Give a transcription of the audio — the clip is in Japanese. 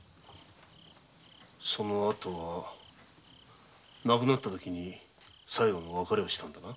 その後は亡くなった時に最後の別れをしたんだな。